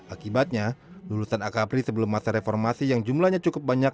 akibatnya lulusan akapri sebelum masa reformasi yang jumlahnya cukup banyak